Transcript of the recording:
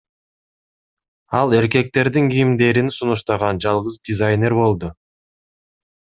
Ал эркектердин кийимдерин сунуштаган жалгыз дизайнер болду.